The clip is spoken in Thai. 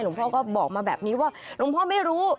พ่อก็บอกมาแบบนี้ว่าหลวงพ่อไม่รู้